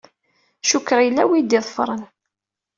Cukkeɣ yella wi yi-d-iḍefren.